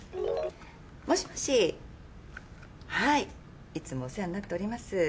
もしもしはいいつもお世話になっております。